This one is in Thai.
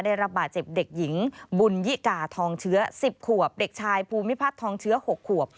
ได้รับบาดเจ็บเด็กหญิงบุญยิกาทองเชื้อ๑๐ขวบเด็กชายภูมิพัฒน์ทองเชื้อ๖ขวบ